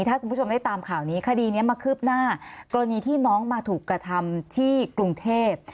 ถ้าคุณผู้ชมได้ตามข่าวนี้คดีนี้มาคืบหน้ากรณีที่น้องมาถูกกระทำที่กรุงเทพ